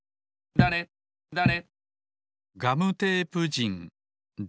だれだれ。